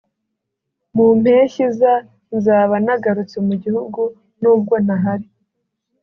mu mpeshyiza nzaba nagarutse mu gihugu nubwo ntahari